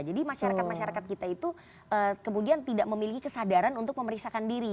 jadi masyarakat masyarakat kita itu kemudian tidak memiliki kesadaran untuk memeriksakan diri